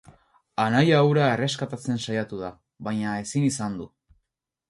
Anaia hura erreskatatzen saiatu da, baina ezin izan du.